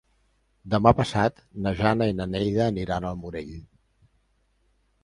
Demà passat na Jana i na Neida aniran al Morell.